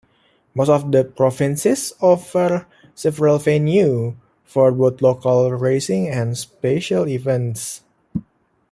Most of the provinces offer several venues for both local racing and special events.